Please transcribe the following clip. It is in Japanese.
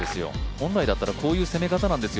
本来だったらこういう攻め方なんですよ